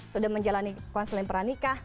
sudah menjalani konsulin peranika